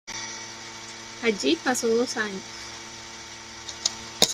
Allí pasó dos años.